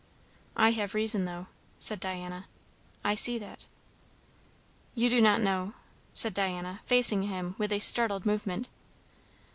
"I have reason, though," said Diana. "I see that." "You do not know ?" said Diana, facing him with a startled movement.